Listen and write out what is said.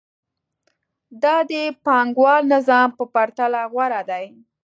دا د پانګوال نظام په پرتله غوره دی